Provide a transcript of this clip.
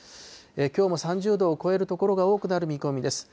きょうも３０度を超える所が多くなる見込みです。